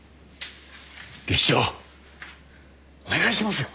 技師長お願いしますよ。